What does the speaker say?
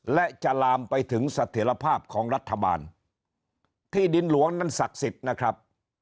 และจะลามไปถึงเสถียรภาพของรัฐบาลที่ดินหลวงนั้นศักดิ์สิทธิ์นะครับ